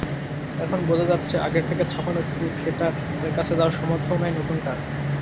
এখন বোঝা যাচ্ছে আগেরটাকে ছাপানো তো দূর, সেটার ধারে যাওয়ার সামর্থ্যও নাই নতুনটার।